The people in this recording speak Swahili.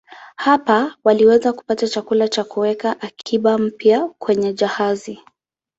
Hapa waliweza kupata chakula na kuweka akiba mpya kwenye jahazi.